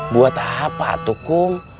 buat apa tukum